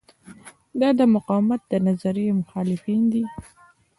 دا د مقاومت د نظریې مخالفین دي.